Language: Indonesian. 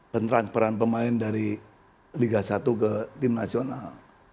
peneran peran pemain dari liga satu ke tim nasional